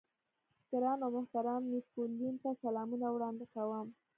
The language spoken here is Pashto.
ګران او محترم نيپولېين ته سلامونه وړاندې کوم.